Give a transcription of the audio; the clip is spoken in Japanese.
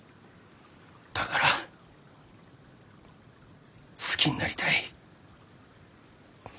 だから好きになりたい。